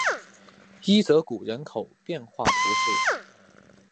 伊泽谷人口变化图示